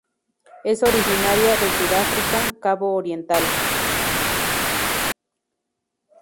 Es originaria de Sudáfrica, Cabo Oriental.